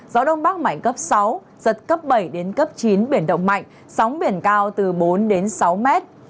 gió đông bắc mạnh cấp sáu giật cấp bảy đến cấp chín biển động mạnh sóng biển cao từ bốn đến sáu mét